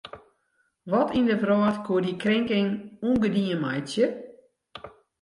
Wat yn de wrâld koe dy krinking ûngedien meitsje?